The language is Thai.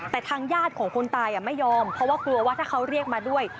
แต่ทางญาติของคนตายไม่ยอมเพราะว่ากลัวว่าถ้าเขาเรียกมาด้วย